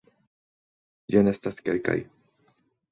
Jen estas kelkaj.